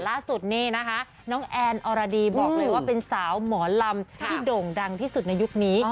ล่าสุดนี่นะคะน้องแอนอรดีบอกเลยว่าเป็นสาวหมอลำที่โด่งดังที่สุดในยุคนี้